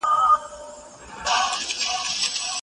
که ملازم وي نو مکتب نه چتلیږي.